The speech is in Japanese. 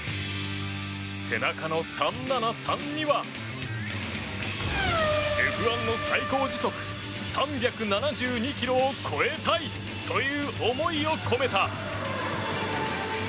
背中の「３７３」にはＦ１の最高時速３７２キロを超えたいという思いを込めた！